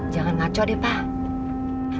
jangan maco deh pak